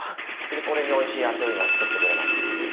これにおいしいあてを今作ってくれます。